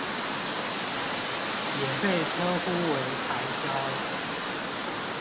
也被稱呼為台商